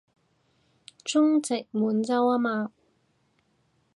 中殖滿洲吖嘛